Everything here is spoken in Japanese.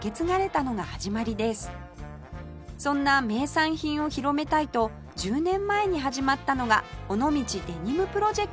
そんな名産品を広めたいと１０年前に始まったのが尾道デニムプロジェクト